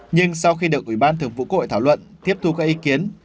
nhưng sau khi được ủy ban thường vụ quốc hội thảo luận tiếp thu các ý kiến